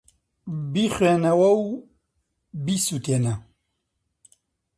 بیخوێنەوە و بیسووتێنە!